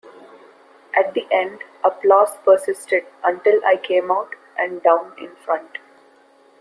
At the end, applause persisted until I came out and down in front.